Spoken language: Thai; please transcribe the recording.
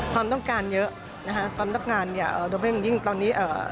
ความต้องการเยอะความต้องการโดยเพียงตอนนี้